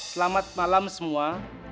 selamat malam semua